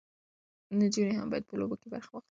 نجونې هم باید په لوبو کې برخه واخلي.